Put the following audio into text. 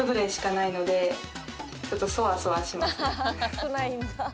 少ないんだ。